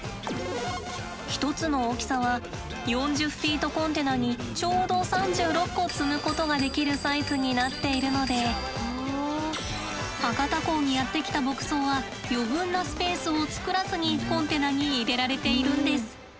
一つの大きさは４０ｆｔコンテナにちょうど３６個積むことができるサイズになっているので博多港にやって来た牧草は余分なスペースを作らずにコンテナに入れられているんです。